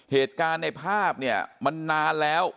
เหตุการณ์ในภาพเนี่ยมันนานแล้ว